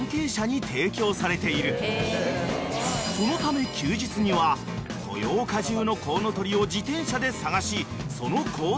［そのため休日には豊岡じゅうのコウノトリを自転車で探しその行動を観察］